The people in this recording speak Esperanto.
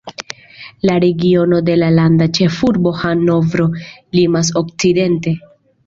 La regiono de la landa ĉefurbo Hanovro limas okcidente.